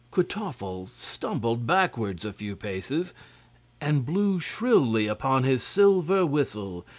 Kwytoffle stumbled backward a few paces and blew shrilly upon his silver whistle.